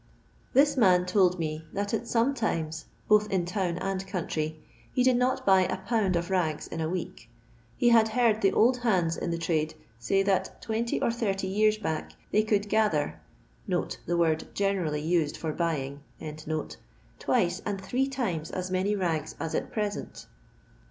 This man told me that at some times, both in town and country, he did not buy a pound of rags in a week. He had heard the old hands in the trade say, that 20 or 80 years back they cnuld "gather" (the word generally used for buying) twice ■nd three times as many rags as ot present.